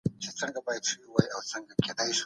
همکاري د زړونو ترمنځ فاصله له منځه وړي.